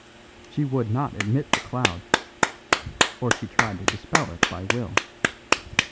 She would not admit the cloud; or she tried to dispel it by will.